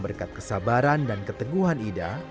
berkat kesabaran dan keteguhan ida